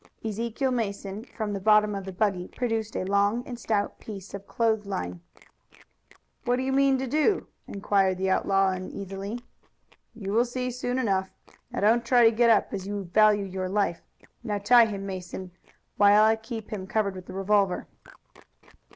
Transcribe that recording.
Ezekiel Mason from the bottom of the buggy produced a long and stout piece of clothes line. "What do you mean to do?" inquired the outlaw uneasily. "You will see soon enough. No, don't try to get up, as you value your life. Now tie him, Mason, while I keep him covered with the revolver."